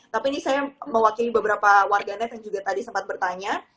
tapi ini saya mewakili beberapa warganet yang juga tadi sempat bertanya